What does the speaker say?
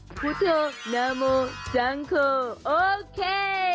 พุทธโนโมสังค์โอเค